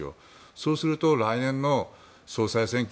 そうすると来年の総裁選挙